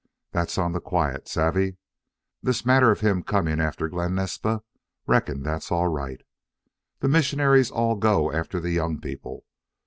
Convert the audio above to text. That's on the quiet. Savvy? This matter of him coming after Glen Naspa, reckon that's all right. The missionaries all go after the young people.